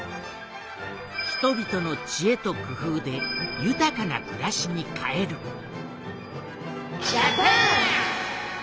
人々の知恵と工夫で豊かなくらしに変えるジャパン！